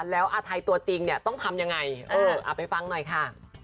แล้วอาทัยตัวจริงเนี่ยต้องทำยังไงเออเอาไปฟังหน่อยค่ะ